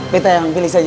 bita yang pilih saja